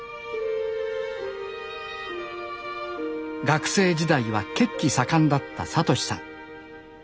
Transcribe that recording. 学生時代は血気盛んだった聡志さん。